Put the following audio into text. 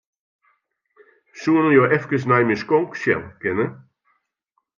Soenen jo efkes nei myn skonk sjen kinne?